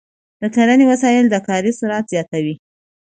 د کرنې وسایل د کاري سرعت زیاتوي.